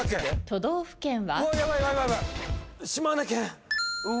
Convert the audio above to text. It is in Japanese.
都道府県は？